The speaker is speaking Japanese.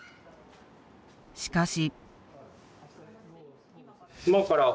しかし。